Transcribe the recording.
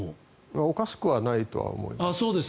おかしくはないとは思います。